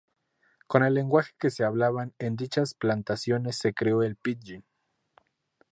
Con el lenguaje que se hablaban en dichas plantaciones se creó el pidgin.